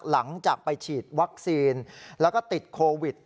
หลังจากไปฉีดวัคซีนแล้วก็ติดโควิด